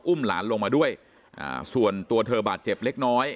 หลานลงมาด้วยส่วนตัวเธอบาดเจ็บเล็กน้อย